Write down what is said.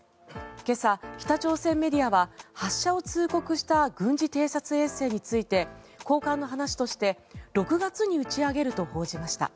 今朝、北朝鮮メディアは発射を通告した軍事偵察衛星について高官の話として６月に打ち上げると報じました。